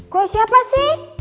gue siapa sih